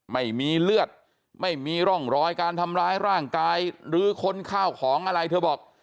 ไม่มีเลือดไม่มีร่องรอยการทำร้ายร่างกายหรือค้นข้าวของอะไรเธอบอก